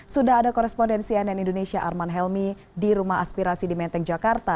sudah ada korespondensi ann indonesia arman helmi di rumah aspirasi di menteng jakarta